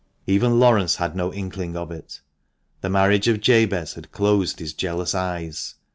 Even Laurence had no inkling of it ; the marriage of Jabez had closed his jealous eyes.